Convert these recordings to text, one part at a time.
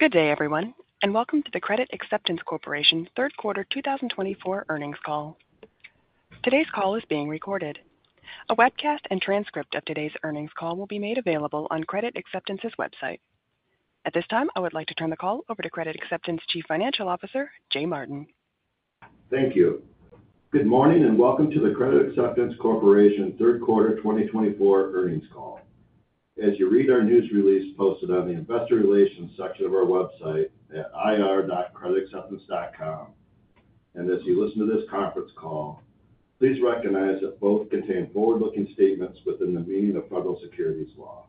Good day, everyone, and welcome to the Credit Acceptance Corporation third quarter 2024 earnings call. Today's call is being recorded. A webcast and transcript of today's earnings call will be made available on Credit Acceptance's website. At this time, I would like to turn the call over to Credit Acceptance Chief Financial Officer, Jay Martin. Thank you. Good morning and welcome to the Credit Acceptance Corporation third quarter 2024 earnings call. As you read our news release posted on the investor relations section of our website at ir.creditacceptance.com, and as you listen to this conference call, please recognize that both contain forward-looking statements within the meaning of federal securities law.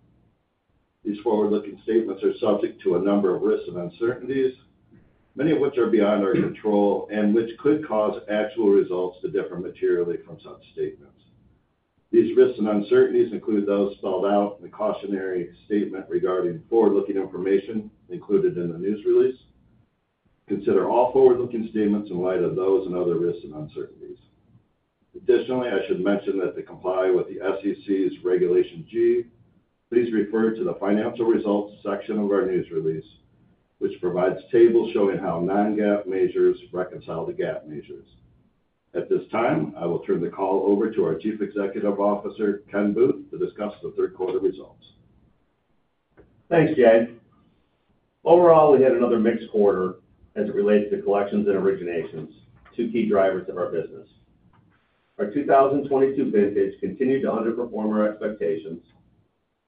These forward-looking statements are subject to a number of risks and uncertainties, many of which are beyond our control and which could cause actual results to differ materially from such statements. These risks and uncertainties include those spelled out in the cautionary statement regarding forward-looking information included in the news release. Consider all forward-looking statements in light of those and other risks and uncertainties. Additionally, I should mention that to comply with the SEC's Regulation G, please refer to the financial results section of our news release, which provides tables showing how non-GAAP measures reconcile to GAAP measures. At this time, I will turn the call over to our Chief Executive Officer, Ken Booth, to discuss the third quarter results. Thanks, Jay. Overall, we had another mixed quarter as it relates to collections and originations, two key drivers of our business. Our 2022 vintage continued to underperform our expectations,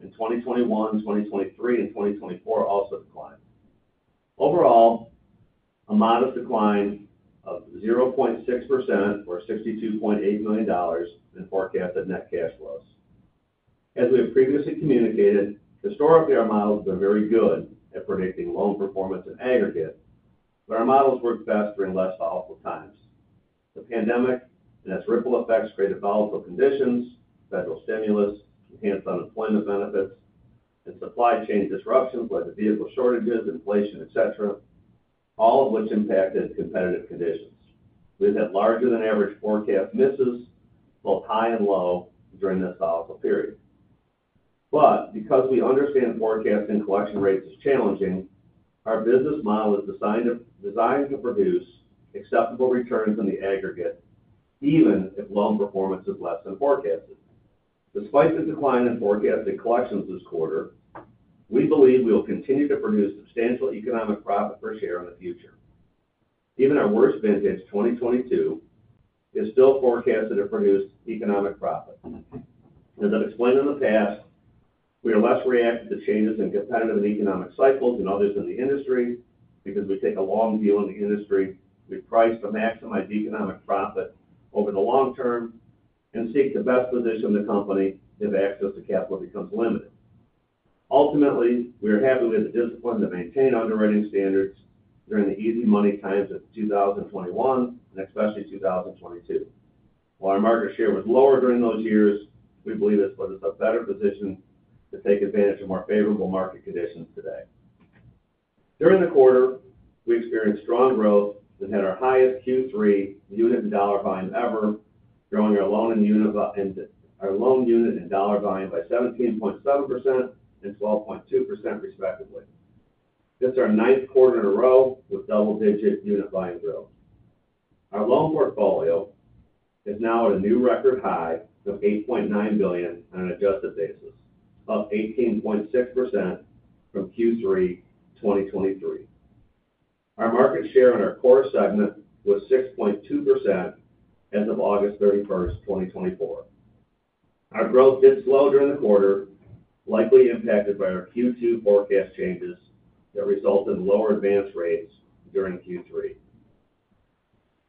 and 2021, 2023, and 2024 also declined. Overall, a modest decline of 0.6% or $62.8 million in forecasted net cash flows. As we have previously communicated, historically, our models have been very good at predicting loan performance in aggregate, but our models worked best during less volatile times. The pandemic and its ripple effects created volatile conditions, federal stimulus, enhanced unemployment benefits, and supply chain disruptions led to vehicle shortages, inflation, etc., all of which impacted competitive conditions. We've had larger-than-average forecast misses, both high and low, during this volatile period. But because we understand forecasting collection rates is challenging, our business model is designed to produce acceptable returns in the aggregate, even if loan performance is less than forecasted. Despite the decline in forecasted collections this quarter, we believe we will continue to produce substantial economic profit per share in the future. Even our worst vintage, 2022, is still forecasted to produce economic profit. As I've explained in the past, we are less reactive to changes in competitive and economic cycles than others in the industry because we take a long view on the industry. We price to maximize economic profit over the long term and seek the best position in the company if access to capital becomes limited. Ultimately, we are happy with the discipline to maintain underwriting standards during the easy money times of 2021 and especially 2022. While our market share was lower during those years, we believe it's put us in a better position to take advantage of our favorable market conditions today. During the quarter, we experienced strong growth and had our highest Q3 unit and dollar buying ever, growing our loan unit and dollar buying by 17.7% and 12.2%, respectively. It's our ninth quarter in a row with double-digit unit buying growth. Our loan portfolio is now at a new record high of $8.9 billion on an adjusted basis, up 18.6% from Q3 2023. Our market share in our core segment was 6.2% as of August 31st, 2024. Our growth did slow during the quarter, likely impacted by our Q2 forecast changes that resulted in lower advance rates during Q3.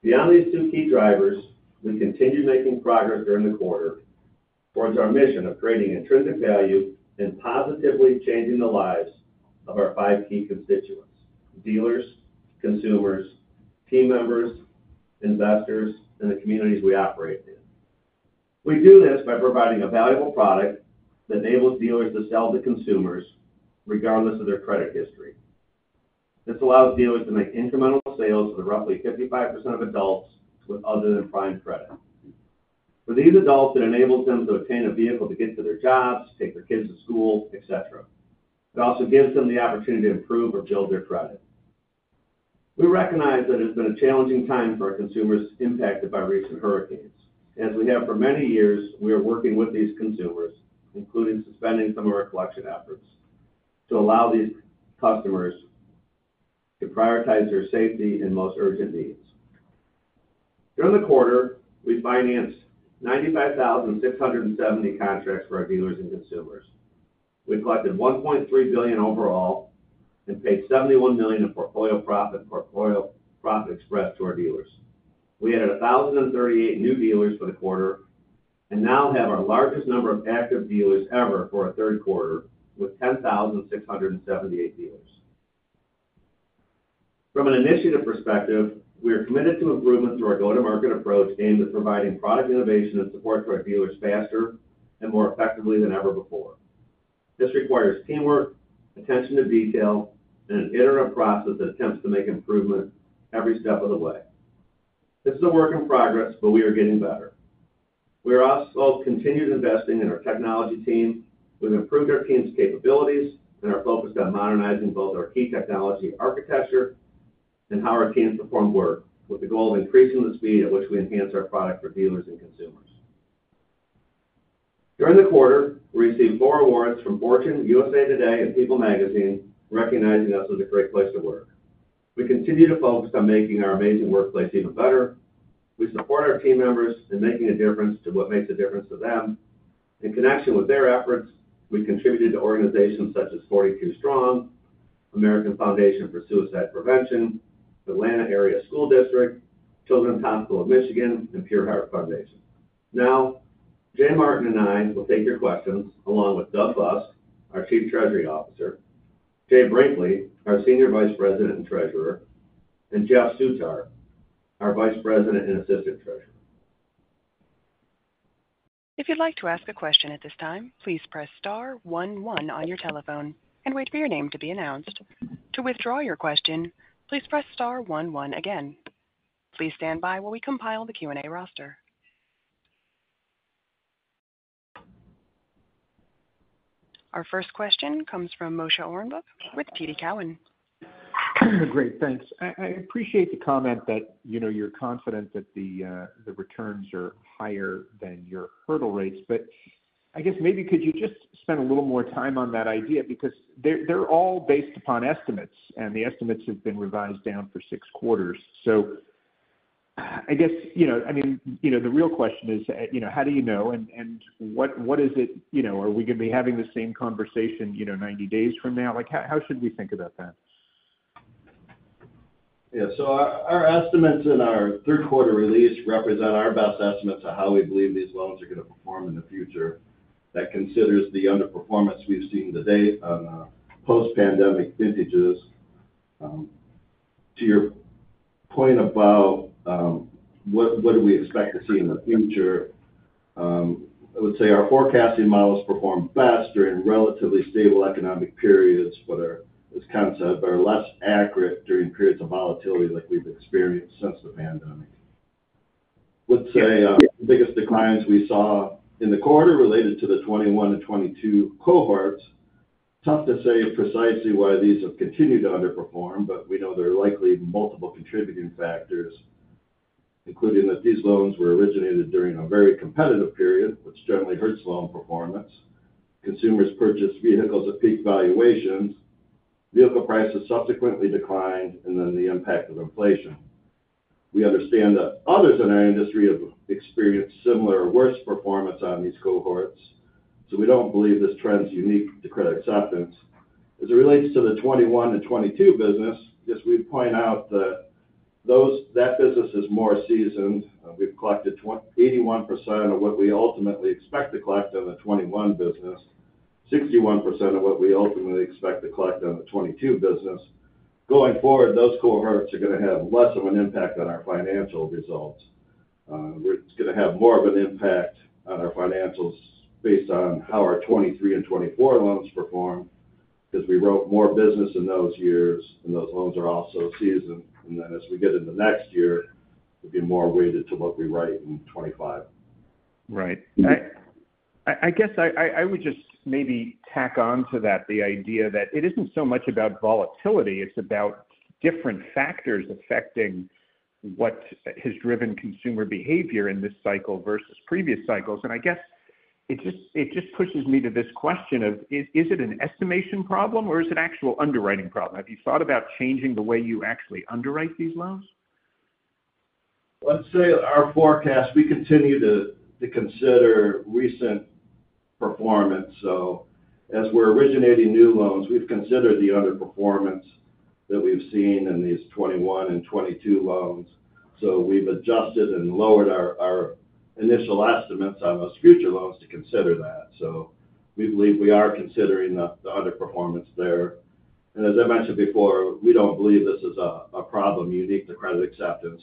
Beyond these two key drivers, we continued making progress during the quarter towards our mission of creating intrinsic value and positively changing the lives of our five key constituents: dealers, consumers, team members, investors, and the communities we operate in. We do this by providing a valuable product that enables dealers to sell to consumers regardless of their credit history. This allows dealers to make incremental sales to roughly 55% of adults with other-than-prime credit. For these adults, it enables them to obtain a vehicle to get to their jobs, take their kids to school, etc. It also gives them the opportunity to improve or build their credit. We recognize that it has been a challenging time for our consumers impacted by recent hurricanes. As we have for many years, we are working with these consumers, including suspending some of our collection efforts, to allow these customers to prioritize their safety and most urgent needs. During the quarter, we financed 95,670 contracts for our dealers and consumers. We collected $1.3 billion overall and paid $71 million in Portfolio Profit Express to our dealers. We added 1,038 new dealers for the quarter and now have our largest number of active dealers ever for a third quarter, with 10,678 dealers. From an initiative perspective, we are committed to improvement through our go-to-market approach aimed at providing product innovation and support to our dealers faster and more effectively than ever before. This requires teamwork, attention to detail, and an iterative process that attempts to make improvement every step of the way. This is a work in progress, but we are getting better. We are also continued investing in our technology team. We've improved our team's capabilities and are focused on modernizing both our key technology architecture and how our teams perform work, with the goal of increasing the speed at which we enhance our product for dealers and consumers. During the quarter, we received four awards from Fortune, USA Today, and People Magazine, recognizing us as a great place to work. We continue to focus on making our amazing workplace even better. We support our team members in making a difference to what makes a difference to them. In connection with their efforts, we contributed to organizations such as 42 Strong, American Foundation for Suicide Prevention, Atlanta Area School District, Children's Hospital of Michigan, and Pure Heart Foundation. Now, Jay Martin and I will take your questions along with Doug Busk, our Chief Treasury Officer, Jay Brinkley, our Senior Vice President and Treasurer, and Jeff Sutar, our Vice President and Assistant Treasurer. If you'd like to ask a question at this time, please press Star one one on your telephone and wait for your name to be announced. To withdraw your question, please press Star one one again. Please stand by while we compile the Q&A roster. Our first question comes from Moshe Orenbuch with TD Cowen. Great. Thanks. I appreciate the comment that you're confident that the returns are higher than your hurdle rates. But I guess maybe could you just spend a little more time on that idea because they're all based upon estimates, and the estimates have been revised down for six quarters? So I guess, I mean, the real question is, how do you know? And what is it? Are we going to be having the same conversation 90 days from now? How should we think about that? Yeah. So our estimates in our third quarter release represent our best estimates of how we believe these loans are going to perform in the future. That considers the underperformance we've seen to date on post-pandemic vintages. To your point about what do we expect to see in the future, I would say our forecasting models perform best during relatively stable economic periods, but are less accurate during periods of volatility like we've experienced since the pandemic. I would say the biggest declines we saw in the quarter related to the 2021 and 2022 cohorts. Tough to say precisely why these have continued to underperform, but we know there are likely multiple contributing factors, including that these loans were originated during a very competitive period, which certainly hurts loan performance. Consumers purchased vehicles at peak valuations. Vehicle prices subsequently declined, and then the impact of inflation. We understand that others in our industry have experienced similar or worse performance on these cohorts, so we don't believe this trend's unique to Credit Acceptance. As it relates to the 2021 and 2022 business, just we'd point out that that business is more seasoned. We've collected 81% of what we ultimately expect to collect on the 2021 business, 61% of what we ultimately expect to collect on the 2022 business. Going forward, those cohorts are going to have less of an impact on our financial results. We're going to have more of an impact on our financials based on how our 2023 and 2024 loans perform because we wrote more business in those years, and those loans are also seasoned, and then as we get into next year, it'll be more weighted to what we write in 2025. Right. I guess I would just maybe tack on to that the idea that it isn't so much about volatility. It's about different factors affecting what has driven consumer behavior in this cycle versus previous cycles, and I guess it just pushes me to this question of, is it an estimation problem, or is it an actual underwriting problem? Have you thought about changing the way you actually underwrite these loans? I'd say our forecast, we continue to consider recent performance. So as we're originating new loans, we've considered the underperformance that we've seen in these 2021 and 2022 loans. So we've adjusted and lowered our initial estimates on those future loans to consider that. So we believe we are considering the underperformance there. And as I mentioned before, we don't believe this is a problem unique to Credit Acceptance.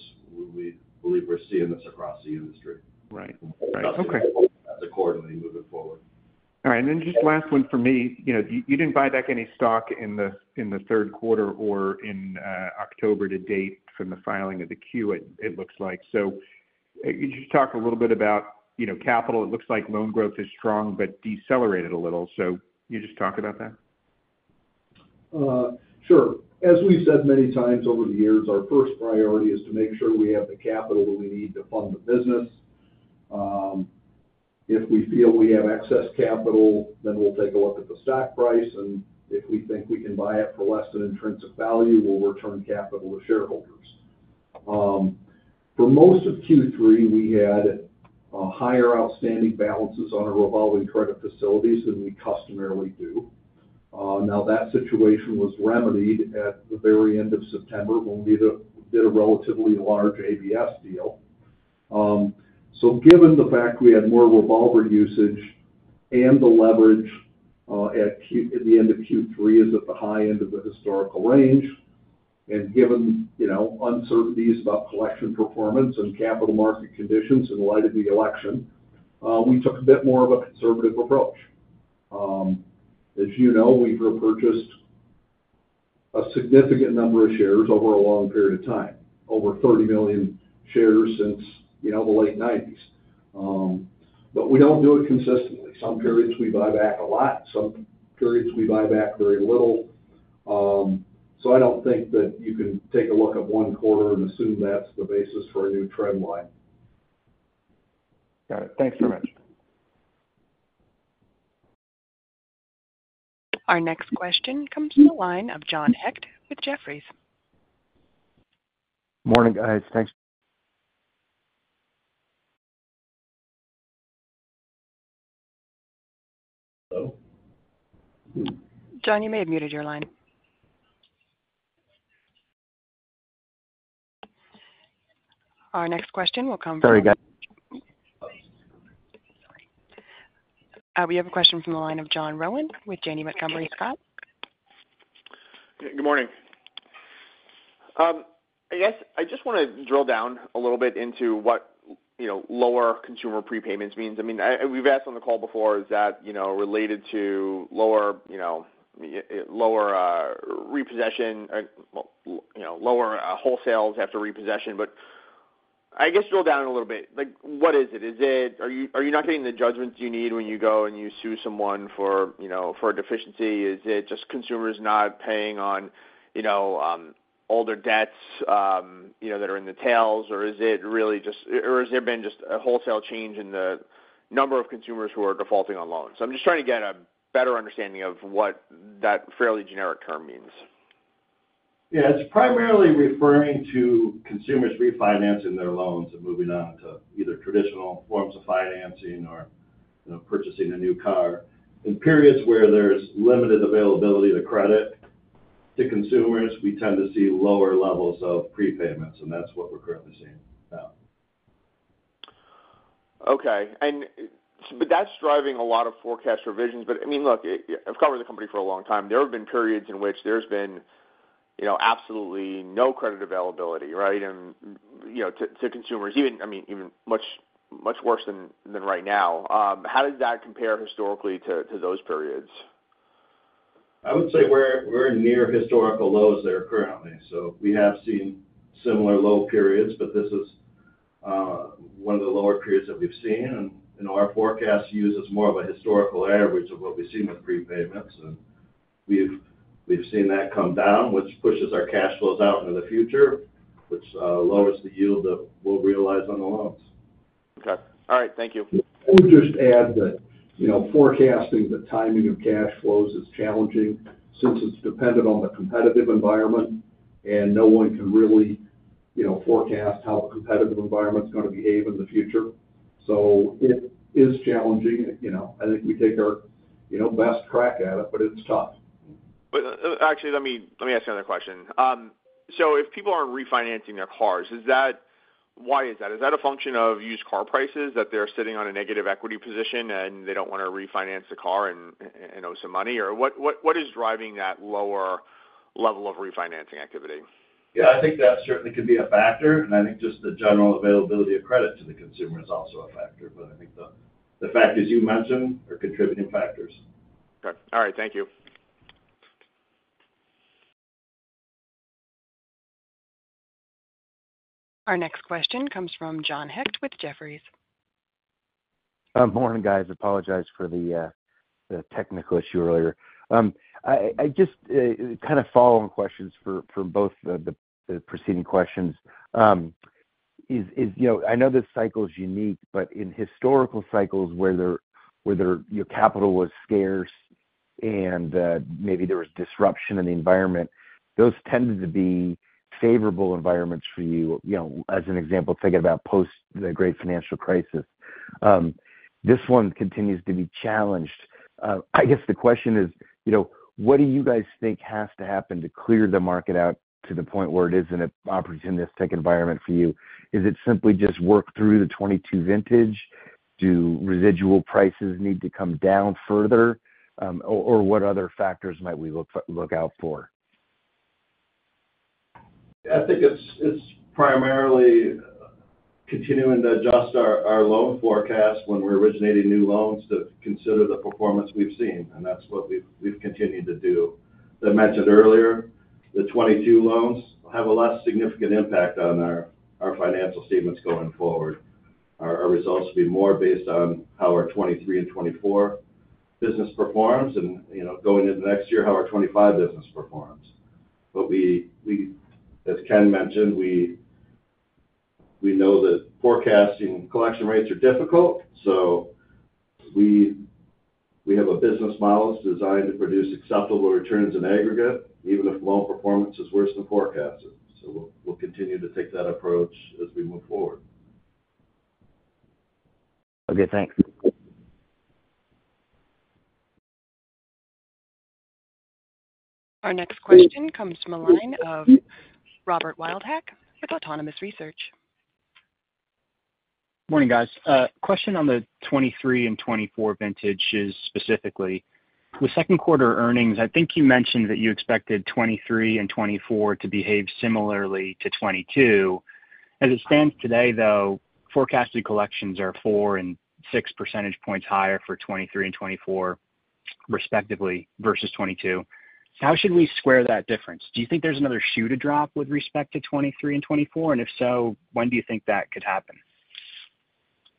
We believe we're seeing this across the industry. Right. Okay. As a quarterly moving forward. All right. And then just last one for me. You didn't buy back any stock in the third quarter or in October to date from the filing of the 10-Q, it looks like. So could you just talk a little bit about capital? It looks like loan growth is strong but decelerated a little. So can you just talk about that? Sure. As we've said many times over the years, our first priority is to make sure we have the capital that we need to fund the business. If we feel we have excess capital, then we'll take a look at the stock price, and if we think we can buy it for less than intrinsic value, we'll return capital to shareholders. For most of Q3, we had higher outstanding balances on our revolving credit facilities than we customarily do. Now, that situation was remedied at the very end of September when we did a relatively large ABS deal, so given the fact we had more revolver usage and the leverage at the end of Q3 is at the high end of the historical range, and given uncertainties about collection performance and capital market conditions in light of the election, we took a bit more of a conservative approach. As you know, we've repurchased a significant number of shares over a long period of time, over 30 million shares since the late 1990s. But we don't do it consistently. Some periods we buy back a lot. Some periods we buy back very little. So I don't think that you can take a look at one quarter and assume that's the basis for a new trend line. Got it. Thanks very much. Our next question comes from the line of John Hecht with Jefferies. Morning, guys. Thanks. Hello? John, you may have muted your line. Our next question will come from. Sorry, guys. We have a question from the line of John Rowan with Janney Montgomery Scott. Good morning. I guess I just want to drill down a little bit into what lower consumer prepayments means. I mean, we've asked on the call before, is that related to lower repossession, lower wholesales after repossession? But I guess drill down a little bit. What is it? Are you not getting the judgments you need when you go and you sue someone for a deficiency? Is it just consumers not paying on older debts that are in the tails, or is it really just or has there been just a wholesale change in the number of consumers who are defaulting on loans? I'm just trying to get a better understanding of what that fairly generic term means. Yeah. It's primarily referring to consumers refinancing their loans and moving on to either traditional forms of financing or purchasing a new car. In periods where there's limited availability of credit to consumers, we tend to see lower levels of prepayments, and that's what we're currently seeing now. Okay. But that's driving a lot of forecast revisions. But I mean, look, I've covered the company for a long time. There have been periods in which there's been absolutely no credit availability, right, to consumers, I mean, even much worse than right now. How does that compare historically to those periods? I would say we're near historical lows there currently, so we have seen similar low periods, but this is one of the lower periods that we've seen. Our forecast uses more of a historical average of what we've seen with prepayments, and we've seen that come down, which pushes our cash flows out into the future, which lowers the yield that we'll realize on the loans. Okay. All right. Thank you. I would just add that forecasting the timing of cash flows is challenging since it's dependent on the competitive environment, and no one can really forecast how the competitive environment's going to behave in the future. So it is challenging. I think we take our best crack at it, but it's tough. Actually, let me ask another question. So if people aren't refinancing their cars, why is that? Is that a function of used car prices that they're sitting on a negative equity position and they don't want to refinance the car and owe some money? Or what is driving that lower level of refinancing activity? Yeah. I think that certainly could be a factor. And I think just the general availability of credit to the consumer is also a factor. But I think the factors you mentioned are contributing factors. Okay. All right. Thank you. Our next question comes from John Hecht with Jefferies. Morning, guys. Apologize for the technical issue earlier. Just kind of following questions from both the preceding questions. I know this cycle's unique, but in historical cycles where your capital was scarce and maybe there was disruption in the environment, those tended to be favorable environments for you. As an example, thinking about post the Great Financial Crisis, this one continues to be challenged. I guess the question is, what do you guys think has to happen to clear the market out to the point where it is an opportunistic environment for you? Is it simply just work through the 2022 vintage? Do residual prices need to come down further? Or what other factors might we look out for? I think it's primarily continuing to adjust our loan forecast when we're originating new loans to consider the performance we've seen, and that's what we've continued to do. As I mentioned earlier, the 2022 loans have a less significant impact on our financial statements going forward. Our results will be more based on how our 2023 and 2024 business performs and going into next year how our 2025 business performs, but as Ken mentioned, we know that forecasting collection rates are difficult, so we have a business model designed to produce acceptable returns in aggregate, even if loan performance is worse than forecasted, so we'll continue to take that approach as we move forward. Okay. Thanks. Our next question comes from a line of Robert Wildhack with Autonomous Research. Morning, guys. Question on the 2023 and 2024 vintage is specifically, with second quarter earnings, I think you mentioned that you expected 2023 and 2024 to behave similarly to 2022. As it stands today, though, forecasted collections are four and six percentage points higher for 2023 and 2024, respectively, versus 2022. How should we square that difference? Do you think there's another shoe to drop with respect to 2023 and 2024? And if so, when do you think that could happen?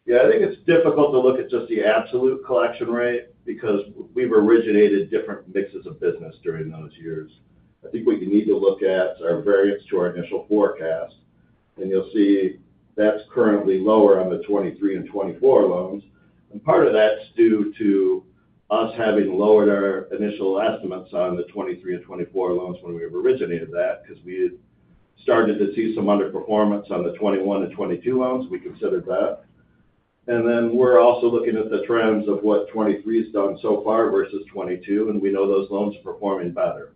Yeah. I think it's difficult to look at just the absolute collection rate because we've originated different mixes of business during those years. I think what you need to look at are variants to our initial forecast. And you'll see that's currently lower on the 2023 and 2024 loans. And part of that's due to us having lowered our initial estimates on the 2023 and 2024 loans when we originated that because we started to see some underperformance on the 2021 and 2022 loans. We considered that. And then we're also looking at the trends of what 2023 has done so far versus 2022, and we know those loans are performing better.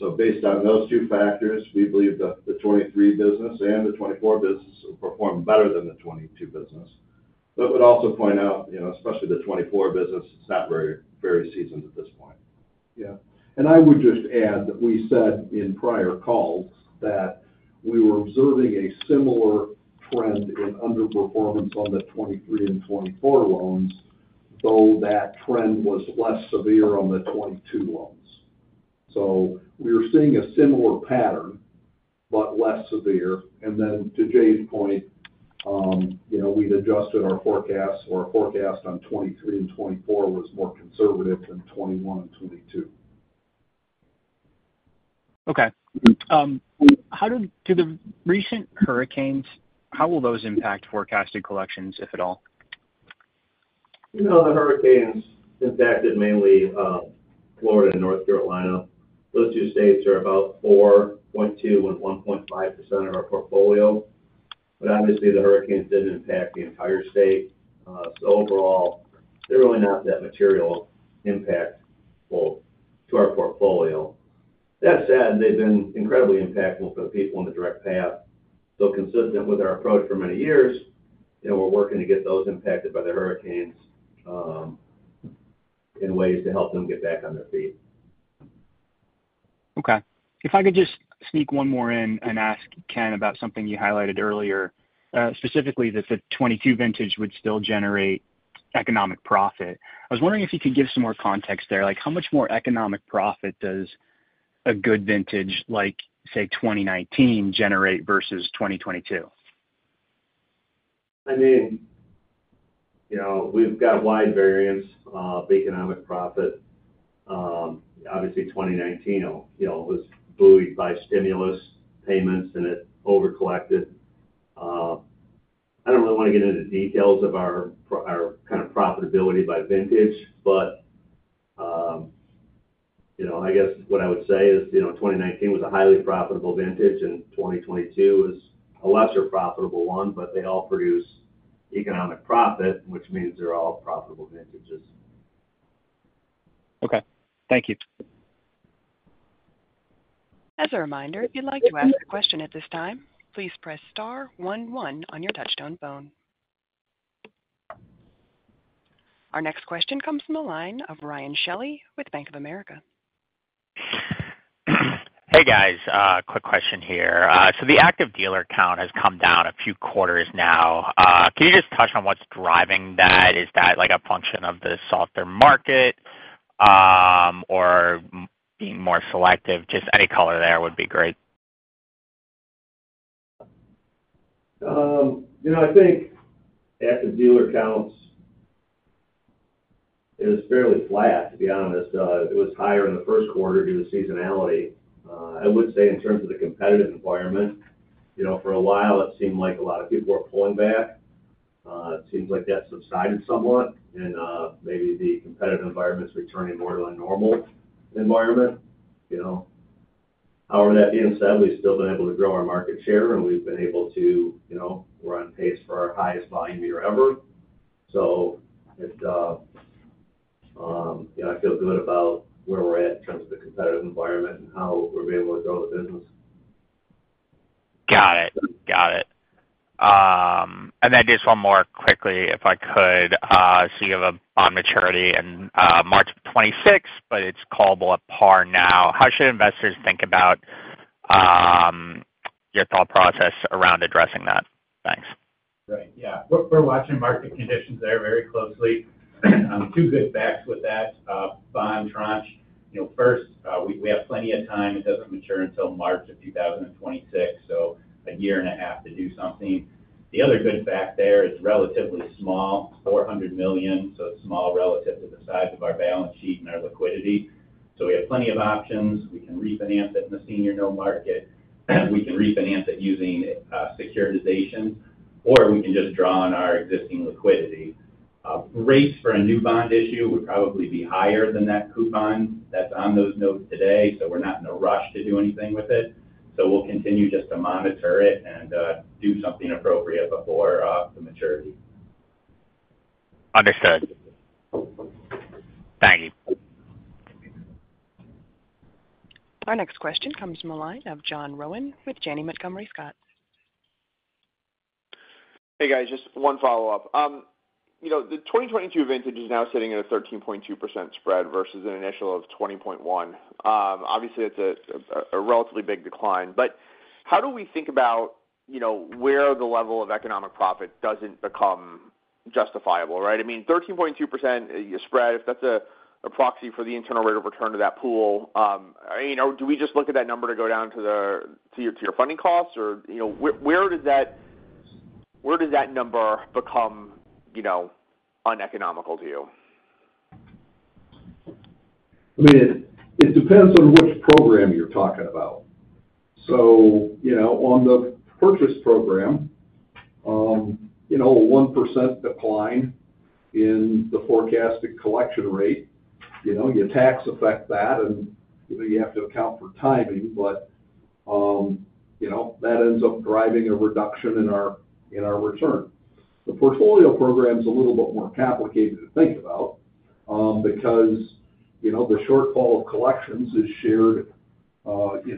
So based on those two factors, we believe the 2023 business and the 2024 business will perform better than the 2022 business. But I would also point out, especially the 2024 business, it's not very seasoned at this point. Yeah. And I would just add that we said in prior calls that we were observing a similar trend in underperformance on the 2023 and 2024 loans, though that trend was less severe on the 2022 loans. So we were seeing a similar pattern but less severe. And then to Jay's point, we'd adjusted our forecast, or our forecast on 2023 and 2024 was more conservative than 2021 and 2022. Okay. To the recent hurricanes, how will those impact forecasted collections, if at all? The hurricanes impacted mainly Florida and North Carolina. Those two states are about 4.2% and 1.5% of our portfolio. But obviously, the hurricanes didn't impact the entire state. So overall, they're really not that material impact to our portfolio. That said, they've been incredibly impactful for the people in the direct path. So consistent with our approach for many years, we're working to get those impacted by the hurricanes in ways to help them get back on their feet. Okay. If I could just sneak one more in and ask Ken about something you highlighted earlier, specifically that the 2022 vintage would still generate economic profit. I was wondering if you could give some more context there. How much more economic profit does a good vintage, say, 2019, generate versus 2022? I mean, we've got wide variance of economic profit. Obviously, 2019 was buoyed by stimulus payments, and it over-collected. I don't really want to get into the details of our kind of profitability by vintage, but I guess what I would say is 2019 was a highly profitable vintage, and 2022 is a lesser profitable one, but they all produce economic profit, which means they're all profitable vintages. Okay. Thank you. As a reminder, if you'd like to ask a question at this time, please press Star one on your touch-tone phone. Our next question comes from a line of Ryan Shelley with Bank of America. Hey, guys. Quick question here. So the active dealer count has come down a few quarters now. Can you just touch on what's driving that? Is that a function of the softer market or being more selective? Just any color there would be great. I think active dealer counts is fairly flat, to be honest. It was higher in the first quarter due to seasonality. I would say in terms of the competitive environment, for a while, it seemed like a lot of people were pulling back. It seems like that subsided somewhat, and maybe the competitive environment's returning more to a normal environment. However, that being said, we've still been able to grow our market share, and we've been able to run pace for our highest volume year ever, so I feel good about where we're at in terms of the competitive environment and how we've been able to grow the business. Got it. Got it. And then just one more quickly, if I could. So you have a bond maturity in March 26th, but it's callable at par now. How should investors think about your thought process around addressing that? Thanks. Right. Yeah. We're watching market conditions there very closely. Two good facts with that bond tranche. First, we have plenty of time. It doesn't mature until March of 2026, so a year and a half to do something. The other good fact there is relatively small, $400 million. So it's small relative to the size of our balance sheet and our liquidity. So we have plenty of options. We can refinance it in the senior note market. We can refinance it using securitization, or we can just draw on our existing liquidity. Rates for a new bond issue would probably be higher than that coupon that's on those notes today, so we're not in a rush to do anything with it. So we'll continue just to monitor it and do something appropriate before the maturity. Understood. Thank you. Our next question comes from a line of John Rowan with Janney Montgomery Scott. Hey, guys. Just one follow-up. The 2022 vintage is now sitting at a 13.2% spread versus an initial of 20.1%. Obviously, it's a relatively big decline. But how do we think about where the level of economic profit doesn't become justifiable, right? I mean, 13.2% spread, if that's a proxy for the internal rate of return to that pool, do we just look at that number to go down to your funding costs? Or where does that number become uneconomical to you? I mean, it depends on which program you're talking about. So on the purchase program, a 1% decline in the forecasted collection rate, your tax affects that, and you have to account for timing. But that ends up driving a reduction in our return. The portfolio program's a little bit more complicated to think about because the shortfall of collections is shared on an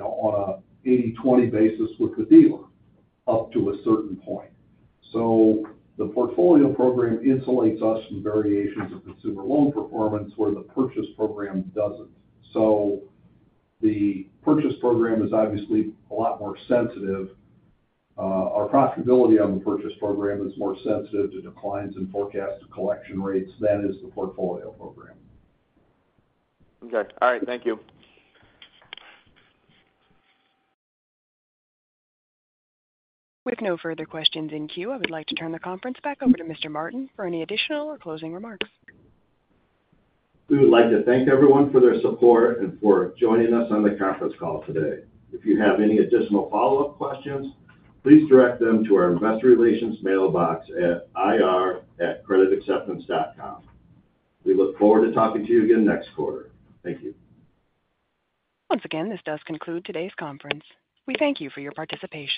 80/20 basis with the dealer up to a certain point. So the portfolio program insulates us from variations of consumer loan performance where the purchase program doesn't. So the purchase program is obviously a lot more sensitive. Our profitability on the purchase program is more sensitive to declines in forecasted collection rates than is the portfolio program. Okay. All right. Thank you. With no further questions in queue, I would like to turn the conference back over to Mr. Martin for any additional or closing remarks. We would like to thank everyone for their support and for joining us on the conference call today. If you have any additional follow-up questions, please direct them to our investor relations mailbox at ir@creditacceptance.com. We look forward to talking to you again next quarter. Thank you. Once again, this does conclude today's conference. We thank you for your participation.